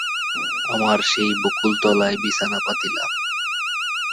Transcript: আমার সেই বকুলতলায় বিছানা পাতিলাম।